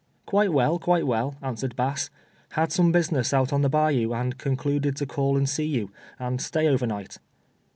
"Quite well, quite well," answered Bass. "Had some business out on the bayou, and concluded to call and see you, and stay over night."